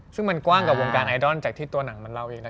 ซึ่งมันกว้างกับวงการไอดอลจากที่ตัวหนังมันเล่าอีกแล้ว